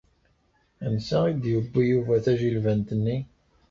Ansa i d-yewwi Yuba tajilbant-nni?